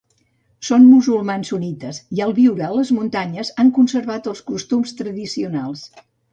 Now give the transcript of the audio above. Són musulmans sunnites i al viure a les muntanyes han conservat els costums tradicionals.